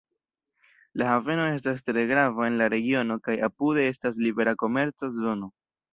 La haveno estas tre grava en la regiono kaj apude estas libera komerca zono.